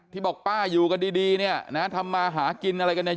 บอกป้าอยู่กันดีดีเนี่ยนะทำมาหากินอะไรกันเนี่ย